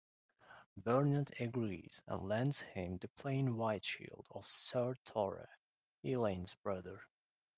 Bernard agrees and lends him the plain-white shield of Sir Torre, Elaine's brother.